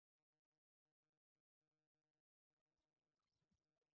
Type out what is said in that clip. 天主教东科克罗姆宗座代牧教区是加纳一个罗马天主教宗座代牧区。